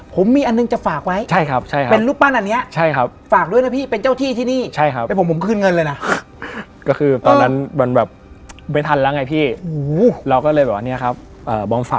ปล้องก็ได้ครับปล้อง